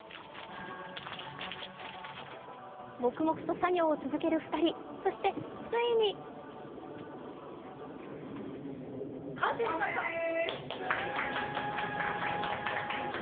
黙々と作業を続ける２人、そしてついに完成でーす！